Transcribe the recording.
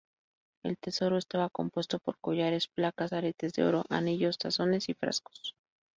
El tesoro estaba compuesto por collares, placas, aretes de oro, anillos, tazones y frascos.